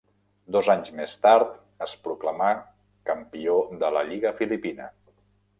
Dos anys més tard es proclamà campió de la lliga filipina.